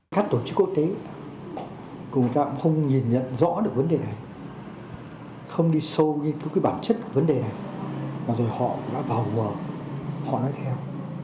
các tổ chức quốc tế cũng không nhìn nhận rõ được vấn đề này không đi sâu như cái bản chất của vấn đề này và rồi họ đã vào vờ họ nói theo